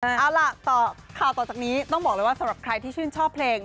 เอาล่ะต่อข่าวต่อจากนี้ต้องบอกเลยว่าสำหรับใครที่ชื่นชอบเพลง